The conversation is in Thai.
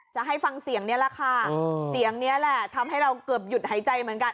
จะให้ฟังเสียงนี้แหละค่ะเสียงนี้แหละทำให้เราเกือบหยุดหายใจเหมือนกัน